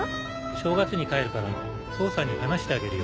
正月に帰るから父さんに話してあげるよ。